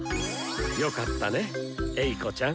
よかったねエイコちゃん！